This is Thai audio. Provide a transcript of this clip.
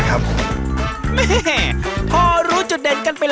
ต่อวันขายได้ร้อยชามเนี่ยจริงไหม